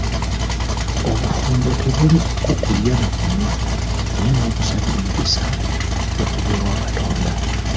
Obufumbo tebuli ku kulya na kunywa naye n'okusaba emikisa okuva ewa Katonda.